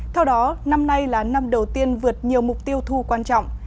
theo đó năm nay là năm đầu tiên vượt nhiều mục tiêu thu quan trọng